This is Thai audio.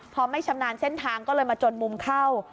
พอไม่ชำนาญเส้นทางก็เลยมาจนมุมเข้า